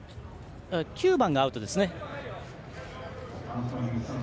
９番がアウトです。